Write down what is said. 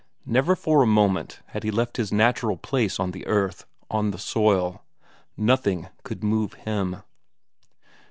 Never for a moment had he left his natural place on the earth, on the soil. Nothing could move him.